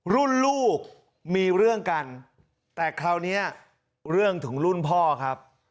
ลูกมีเรื่องกันแต่คราวนี้เรื่องถึงรุ่นพ่อครับ